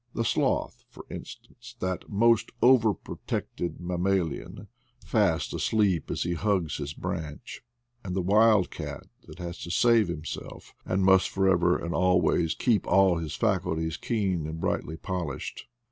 The sloth, for instance, that most over protected mammalian, fast asleep as he hugs his branch, and the wild cat that has to save himself, and must for ever and always keep all his faculties keen and brightly polished.